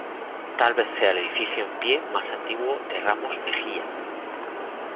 Tal vez sea el edificio en pie más antiguo de Ramos Mejía.